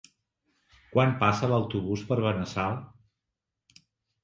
Quan passa l'autobús per Benassal?